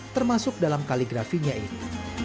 termasuk dalam kaligrafinya ini